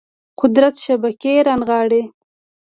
قدرت شبکې رانغاړي